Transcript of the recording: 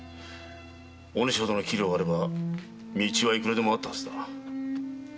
お主ほど器量があれば道はいくらでもあったはずだ。